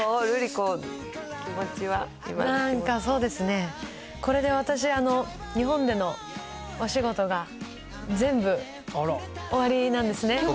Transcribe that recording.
瑠璃子、気持ちは、今なんか、そうですね、これで私、日本でのお仕事が全部、終わりなんですね。